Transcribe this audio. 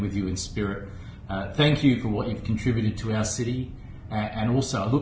tetapi juga kemampuan untuk perayaan peringatan hood ke tujuh puluh lima ri di kedua negara